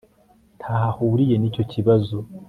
Ntaho ahuriye nicyo kibazo